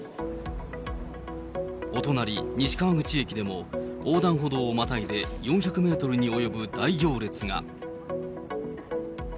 お隣、西川口駅でも横断歩道をまたいで、４００メートルに及ぶ大行列が。